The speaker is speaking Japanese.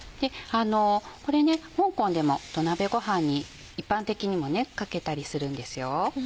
これね香港でも土鍋ごはんに一般的にもかけたりするんですよ。